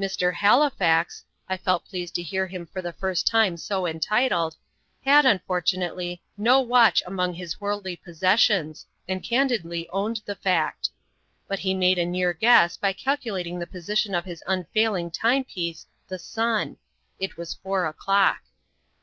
"Mr. Halifax" (I felt pleased to hear him for the first time so entitled) had, unfortunately, no watch among his worldly possessions, and candidly owned the fact. But he made a near guess by calculating the position of his unfailing time piece, the sun. It was four o'clock.